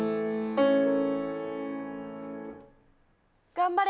頑張れ。